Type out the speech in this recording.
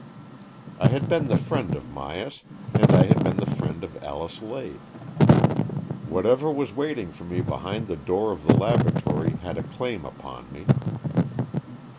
I had been the friend of Myas, and I had been the friend of Alice Lade. What ever was waiting for me behind the door of the laboratory had a claim upon me.